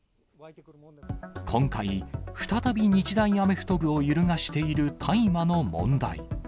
今回、再び日大アメフト部を揺るがしている大麻の問題。